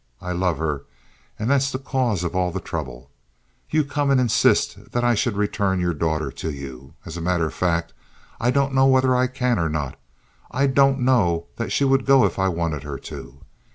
I love her, and that's the cause of all the trouble. You come and insist that I shall return your daughter to you. As a matter of fact, I don't know whether I can or not. I don't know that she would go if I wanted her to.